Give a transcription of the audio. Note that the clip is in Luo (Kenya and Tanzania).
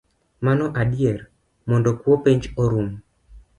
Mano adier, mondo kuo penj orum